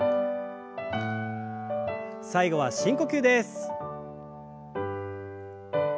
最後は深呼吸です。